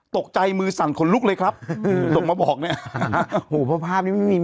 ตกใจมือสั่นขนลุกเลยครับอืมส่งมาบอกเนี่ยโหเพราะภาพนี้ไม่มี